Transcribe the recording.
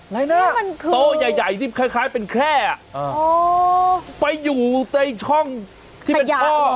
อะไรนะมันคือโต๊ะใหญ่ที่คล้ายเป็นแค่ไปอยู่ในช่องที่เป็นท่อ